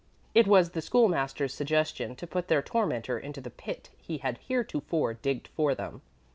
It was the School master's suggestion to put their tormentor into the pit he had heretofore digged for them.